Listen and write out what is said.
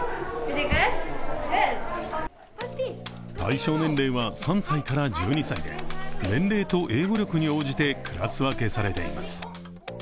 対象年齢は３歳から１２歳で年齢と英語力に応じてクラス分けされています。